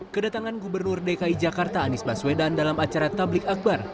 kedatangan gubernur dki jakarta anies baswedan dalam acara tablik akbar